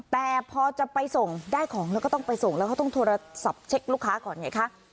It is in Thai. แต่พอจะไปส่งได้ของแล้วก็ต้องไปส่งแล้วเขาต้องโทรศัพท์เช็คลูกค้าก่อนไงคะ